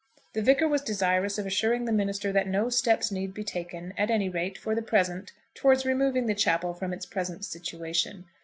The Vicar was desirous of assuring the minister that no steps need be taken, at any rate, for the present, towards removing the chapel from its present situation.